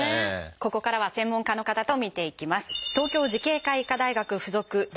ここからは専門家の方と見ていきます。